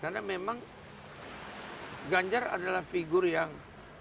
karena memang ganjar adalah figur yang